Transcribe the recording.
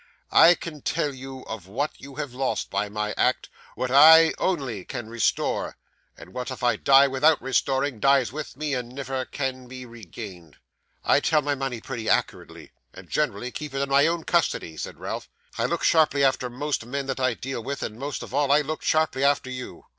'I can tell you of what you have lost by my act, what I only can restore, and what, if I die without restoring, dies with me, and never can be regained.' 'I tell my money pretty accurately, and generally keep it in my own custody,' said Ralph. 'I look sharply after most men that I deal with, and most of all I looked sharply after you.